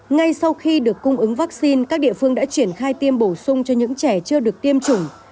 ngay sau khi được cung ứng vaccine các địa phương đã triển khai tiêm bổ sung cho những trẻ chưa được tiêm chủng